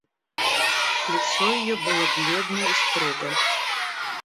Лицо ее было бледно и строго.